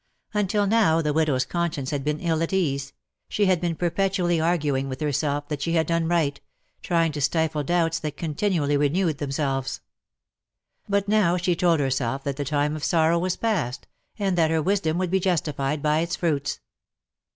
Until now the widow^s conscience had been ill at ease — she had been perpetually arguing with herself that she had done right — trying ta stifle doubts that continually renewed themselves. But now she told herself that the time of sorrow was pastj and that her wisdom would be justified by its fruits.